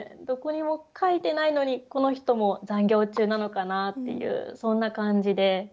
どこにも書いてないのにこの人も残業中なのかなっていうそんな感じで。